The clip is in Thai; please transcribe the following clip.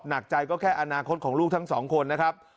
หนักใจก็แค่อนาคตของลูกทั้งสองคนนะครับ